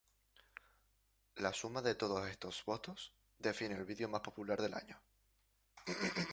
La suma de todos estos votos define el video más popular del año.